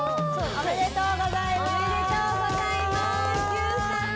おめでとうございます。